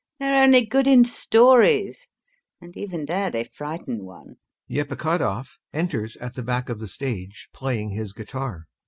They're only good in stories, and even there they frighten one. [EPIKHODOV enters at the back of the stage playing his guitar.